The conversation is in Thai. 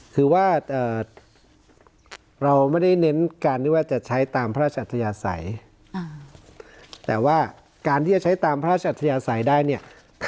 คือว่าเราไม่ได้เน้นการที่ว่าจะใช้ตามพระราชอัตยาศัย